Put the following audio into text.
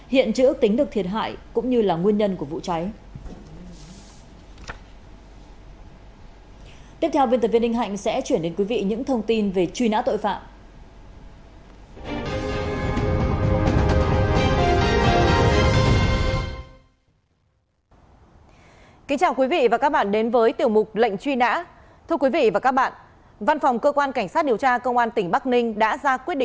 hiện trữ ước tính được thiệt hại cũng như là nguyên nhân của vụ cháy